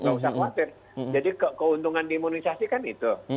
nggak usah khawatir jadi keuntungan di imunisasi kan itu